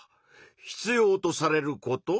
必要とされること？